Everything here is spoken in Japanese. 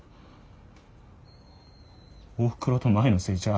おふくろと舞のせいちゃう。